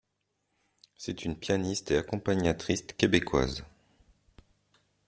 C'est une pianiste et accompagnatrice québécoise.